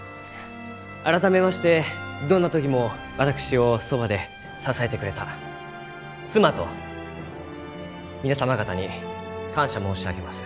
改めましてどんな時も私をそばで支えてくれた妻と皆様方に感謝申し上げます。